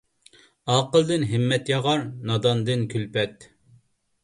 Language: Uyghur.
ئاقىلدىن ھىممەت ياغار، ناداندىن كۈلپەت.